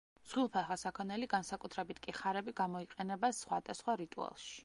მსხვილფეხა საქონელი, განსაკუთრებით კი ხარები გამოიყენება სხვადასხვა რიტუალში.